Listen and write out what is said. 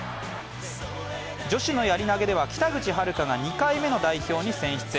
女子のやり投げでは北口榛花が２回目の代表に選出。